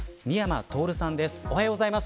美山透さんです。